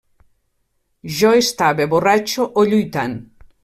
Jo estava borratxo o lluitant.